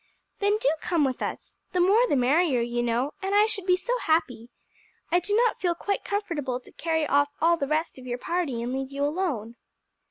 "Then do come with us! the more the merrier, you know, and I should be so happy. I do not feel quite comfortable to carry off all the rest of your party and leave you alone."